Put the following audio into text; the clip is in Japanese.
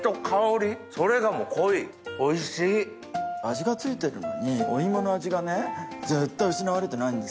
味が付いてるのにお芋の味がずっと失われてないんですよ。